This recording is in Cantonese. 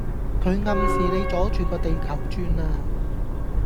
佢暗示你阻住個地球轉呀